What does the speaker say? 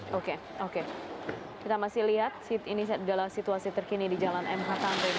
oke oke kita masih lihat ini adalah situasi terkini di jalan mh tamrin